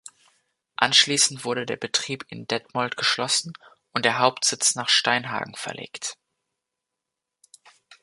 Anschließend wurde der Betrieb in Detmold geschlossen und der Hauptsitz nach Steinhagen verlegt.